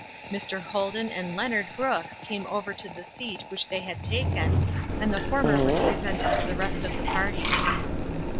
Mr. Holden and Leonard Brooks came over to the seat which they had taken, and the former was presented to the rest of the party.